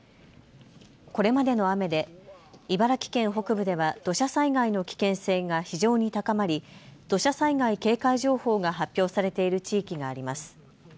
これまでの雨で茨城県北部では土砂災害の危険性が非常に高まり土砂災害警戒情報が発表されている地域があります。